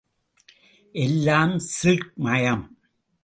எல்லாம் சில்க் மயம்!